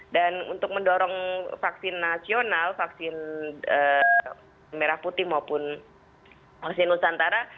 dan untuk mendorong vaksin nasional vaksin merah putih maupun vaksin nusantara